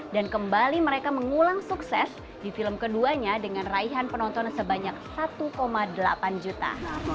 dan kembali mereka mengulang sukses di film keduanya dengan raihan penonton sebanyak satu delapan juta